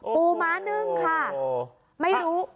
ม้านึ่งค่ะไม่รู้